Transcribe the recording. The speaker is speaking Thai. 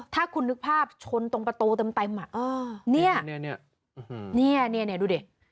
ถ้าคุณนึกภาพชนตรงประตูเต็มอ่ะเนี่ยเนี่ยดูดิ